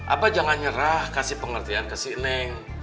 apa jangan nyerah kasih pengertian ke si neng